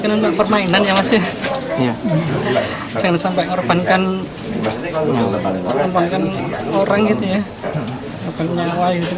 agak banyak orang yang mengorbankan orang gitu ya bukan yang lain gitu kan